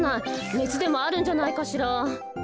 ねつでもあるんじゃないかしら。